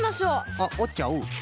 あっおっちゃう。